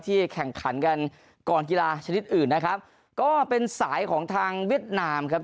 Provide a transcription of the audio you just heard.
แข่งขันกันก่อนกีฬาชนิดอื่นนะครับก็เป็นสายของทางเวียดนามครับ